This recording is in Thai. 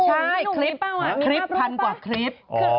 ใช่คลิปพันกว่าคลิป